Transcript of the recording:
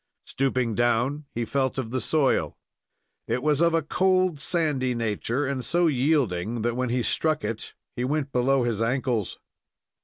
Stooping down, he felt of the soil. It was of a cold, sandy nature, and so yielding that, when he struck it, he went below his ankles.